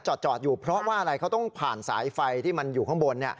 จอดอยู่เพราะว่าอะไรเขาต้องผ่านสายไฟที่มันอยู่ข้างบน